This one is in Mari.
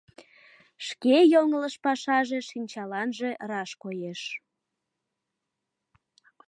Шке йоҥылыш пашаже шинчаланже раш коеш.